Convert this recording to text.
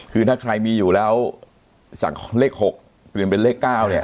คือถ้าใครมีอยู่แล้วจากเลข๖เปลี่ยนเป็นเลข๙เนี่ย